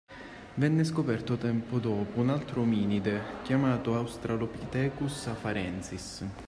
Venne scoperto tempo dopo un altro ominide chiamato Australopithecus Afarensis